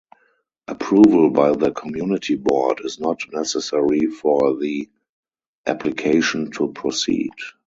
Approval by the community board is not necessary for the application to proceed.